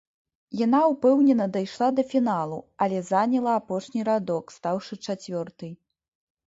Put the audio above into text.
Яна ўпэўнена дайшла да фіналу, але заняла апошні радок, стаўшы чацвёртай.